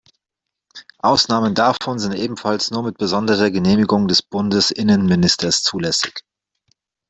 Ausnahmen davon sind ebenfalls nur mit besonderer Genehmigung des Bundesinnenministers zulässig.